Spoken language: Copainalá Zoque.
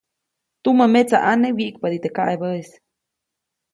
Tumämetsaʼane wyiʼkpadi teʼ kaʼebäʼis.